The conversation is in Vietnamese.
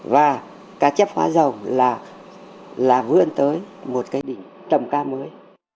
và cá chép hóa rồng là vươn tới một cái đỉnh trầm ca mới